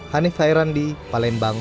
hanif hairandi palembang